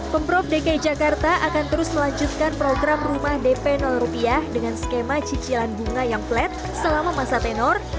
pemprov dki jakarta akan terus melanjutkan program rumah dp rupiah dengan skema cicilan bunga yang flat selama masa tenor